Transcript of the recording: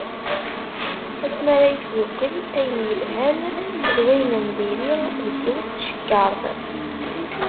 Asmi ara yesdukkel ayen yelhan d wayen n diri deg yiwet n tcekkart.